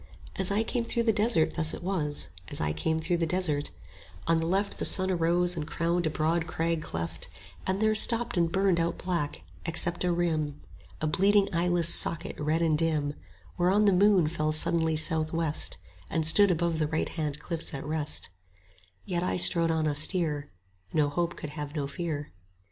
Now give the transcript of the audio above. As I came through the desert thus it was, As I came through the desert: On the left The sun arose and crowned a broad crag cleft; There stopped and burned out black, except a rim, 55 A bleeding eyeless socket, red and dim; Whereon the moon fell suddenly south west, And stood above the right hand cliffs at rest: Yet I strode on austere; No hope could have no fear.